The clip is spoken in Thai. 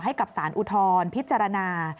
ให้กับสารอุทธรพิจารณา